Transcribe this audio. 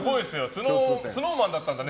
ＳｎｏｗＭａｎだったんだね